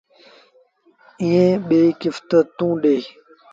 ائيٚݩ ٻيٚ ڪست توݩ ڏي۔